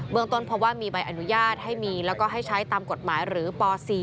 เมืองต้นเพราะว่ามีใบอนุญาตให้มีแล้วก็ให้ใช้ตามกฎหมายหรือป๔